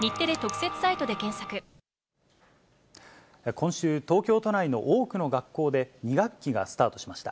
今週、東京都内の多くの学校で２学期がスタートしました。